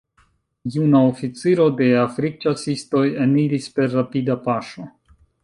Juna oficiro de Afrikĉasistoj eniris per rapida paŝo.